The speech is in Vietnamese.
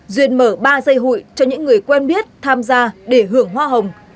duyên mở ba dây hụi cho những người quen biết tham gia để hưởng hoa hồng